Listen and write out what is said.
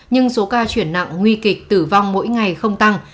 nhưng số ca chuyển nặng nguy kịch tử vong mỗi ngày không tăng